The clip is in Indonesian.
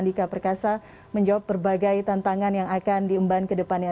andika perkasa menjawab berbagai tantangan yang akan diumban kedepannya